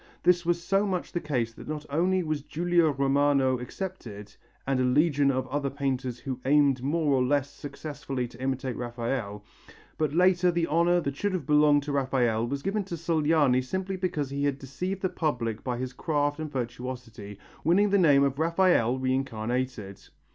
This was so much the case that not only was Giulio Romano accepted, and a legion of other painters who aimed more or less successfully to imitate Raphael, but later the honour that should have belonged to Raphael was given to Sogliani simply because he had deceived the public by his craft and virtuosity, winning the name of Raphael reincarnated.